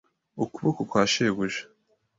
ukuboko kwa shebuja.